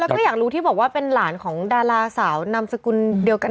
แล้วก็อยากรู้ที่บอกว่าเป็นหลานของดาราสาวนามสกุลเดียวกัน